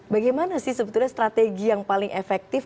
bagaimana sih sebetulnya strategi yang paling efektif